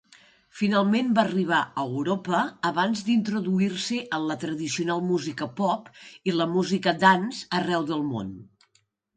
Finalment va arribar a Europa abans d'introduir-se en la tradicional música pop i la música dance arreu del món.